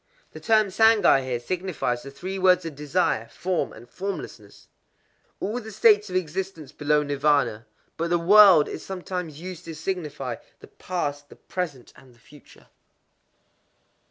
—The term Sangai here signifies the three worlds of Desire, Form, and Formlessness,—all the states of existence below Nirvâna. But the word is sometimes used to signify the Past, the Present, and the Future.